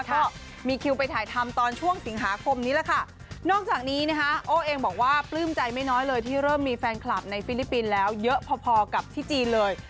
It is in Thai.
ก็มีคิวไปถ่ายทำตอนช่วงสิงหาคมนี้แหละค่ะนอกจากนี้นะคะโอ้เองบอกว่าปลื้มใจไม่น้อยเลยที่เริ่มมีแฟนคลับในฟิลิปปินส์แล้วเยอะพอพอกับที่จีนเลย